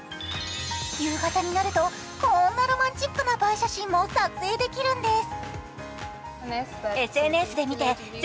夕方になると、こんなロマンチックな映え写真も撮影できるんです。